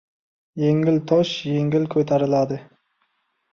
• Yengil tosh yengil ko‘tariladi.